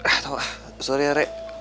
ah tau sorry ya re